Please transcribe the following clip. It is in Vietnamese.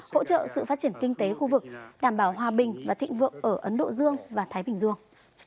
hỗ trợ sự phát triển kinh tế khu vực đảm bảo hòa bình và thịnh vượng ở ấn độ dương và thái bình dương